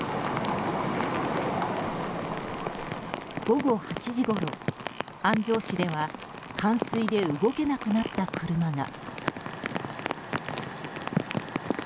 午後８時ごろ、安城市では冠水で動けなくなった車が。